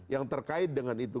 yang terkait dengan itu